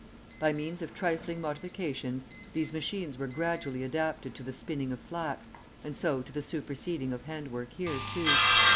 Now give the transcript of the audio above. By means of trifling modifications these machines were gradually adapted to the spinning of flax, and so to the superseding of hand work here, too.